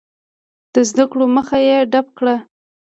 د زده کړو مخه یې ډپ کړه.